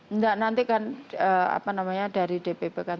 enggak nantikan apa namanya dari dpp kan